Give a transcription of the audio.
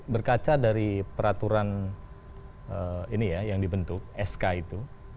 berkaca dari peraturan ini ya yang dibentuk sk itu